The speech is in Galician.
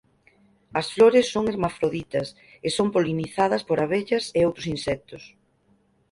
As flores son hermafroditas e son polinizadas por abellas e outros insectos.